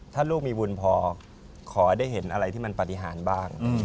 ถ้าลูกมีบุญพอขอได้เห็นอะไรที่มันปฏิหารบ้าง